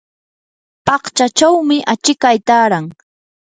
paqchachawmi achikay taaran.